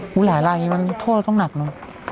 อืมหลายละอันนี้มันโทษต้องหนักเนอะ